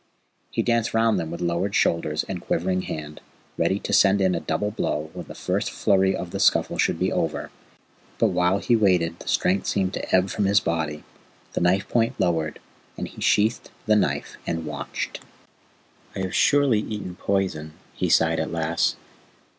He danced round them with lowered shoulders and quivering hand, ready to send in a double blow when the first flurry of the scuffle should be over; but while he waited the strength seemed to ebb from his body, the knife point lowered, and he sheathed the knife and watched. "I have surely eaten poison," he sighed at last.